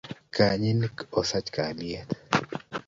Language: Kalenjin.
Kayinik osachi kalyet